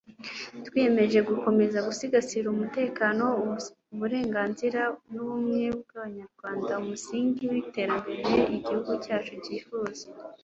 twiyemeje gukomeza gusigasira umutekano, uburenganzira n'ubumwe bw'abanyarwanda umusingi w'iterambere igihugu cyacu cyifuza